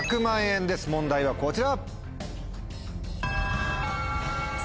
問題はこちら！